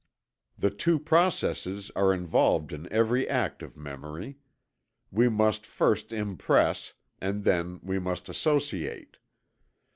The two processes are involved in every act of memory. We must first impress, and then we must associate.